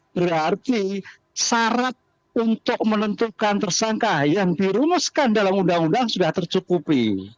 berarti syarat untuk menentukan tersangka yang dirumuskan dalam undang undang sudah tercukupi